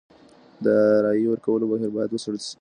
د رايې ورکولو بهير بايد وڅېړل سي.